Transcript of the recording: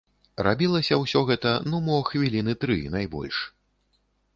Рабілася ўсё гэта ну мо хвіліны тры, найбольш.